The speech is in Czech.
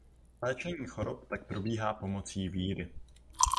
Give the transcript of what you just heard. Léčení chorob tak probíhá pomocí víry.